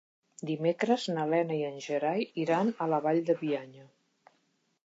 Dimecres na Lena i en Gerai iran a la Vall de Bianya.